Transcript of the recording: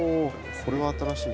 これは新しい。